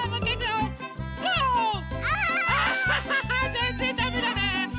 ぜんぜんだめだね！